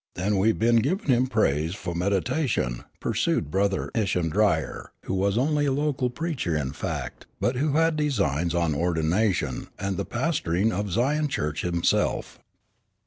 "An' we been givin' him praise fu' meditation," pursued Brother Isham Dyer, who was only a local preacher, in fact, but who had designs on ordination, and the pastoring of Zion Church himself.